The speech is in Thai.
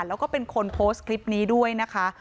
แล้วก็เป็นคนโพสต์คลิปนี้ด้วยนะคะ